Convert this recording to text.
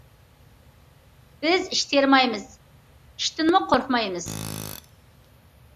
بىز ئىش تېرىمايمىز، ئىشتىنمۇ قورقمايمىز.